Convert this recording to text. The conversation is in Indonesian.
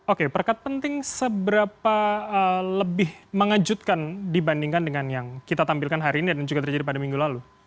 oke perkat penting seberapa lebih mengejutkan dibandingkan dengan yang kita tampilkan hari ini dan juga terjadi pada minggu lalu